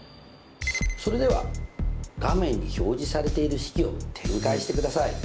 それでは画面に表示されている式を展開してください。